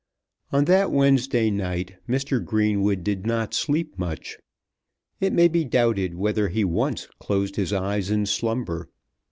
On that Wednesday night Mr. Greenwood did not sleep much. It may be doubted whether he once closed his eyes in slumber.